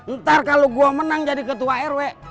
ntar kalau gue menang jadi ketua rw